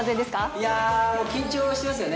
いやー、緊張してますよね。